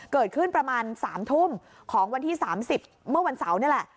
เกิดขึ้นประมาณ๓ทุ่มของวันที่๓๐เมื่อวันเสาร์นี่แหละ